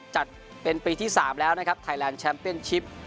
จัดเป็นปีที่๓แล้วนะครับไทยแลนด์แชมเปียนชิป